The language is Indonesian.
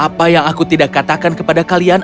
apa yang aku tidak katakan kepada kalian